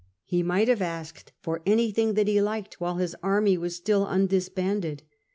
He might have asked for anything that he liked while his army was still undisbanded.